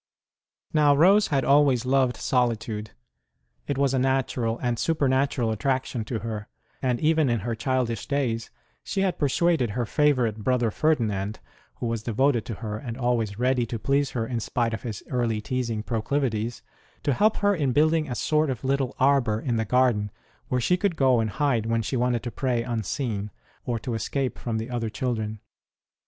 Now, Rose had always loved solitude : it was a natural and supernatural attraction to her ; and even in her childish days she had persuaded her favourite brother Ferdinand, who was devoted to her and always ready to please her in spite of his early teasing proclivities, to help her in building a sort of little arbour in the garden where she could go and hide when she wanted to pray un seen, or to escape from the other children.